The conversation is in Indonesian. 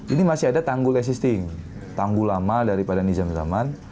ini masih ada tanggul existing tanggul lama daripada nizam zaman